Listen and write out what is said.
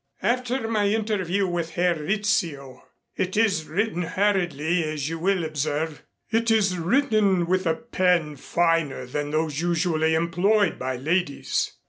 "After my interview with Herr Rizzio. It is written hurriedly, as you will observe." "It is written with a pen finer than those usually employed by ladies."